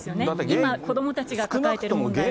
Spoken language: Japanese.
今、子どもたちが抱えている問題を。